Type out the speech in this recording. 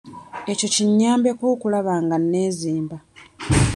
Ekyo kinnyambyeko okulaba nga neezimba.